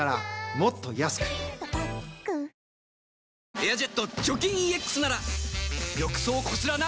「エアジェット除菌ＥＸ」なら浴槽こすらな。